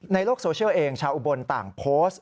ในโลกโซเชียลเองชาวอุบลต่างโพสต์